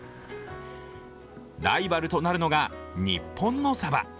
ライバルとなるのが日本のサバ。